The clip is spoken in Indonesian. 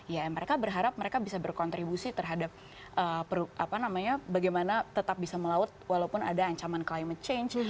ya mereka berharap mereka bisa berkontribusi terhadap bagaimana tetap bisa melaut walaupun ada ancaman climate change